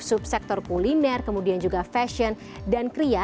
subsektor kuliner kemudian juga fashion dan kria